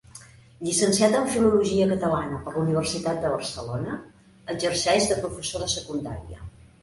Llicenciat en Filologia Catalana per la Universitat de Barcelona, exerceix de professor de Secundària.